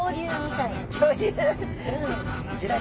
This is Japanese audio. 恐竜。